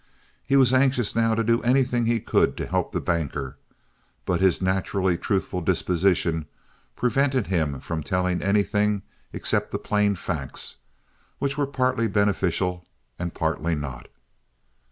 He was anxious now to do anything he could to help the banker, but his naturally truthful disposition prevented him from telling anything except the plain facts, which were partly beneficial and partly not.